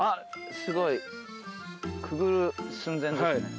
すごいくぐる寸前ですね。